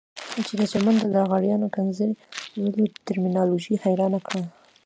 چې د چمن د لغړیانو ښکنځلو ترمینالوژي حيرانه کړه.